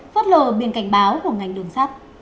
vớt lờ biển cảnh báo của ngành đường sắt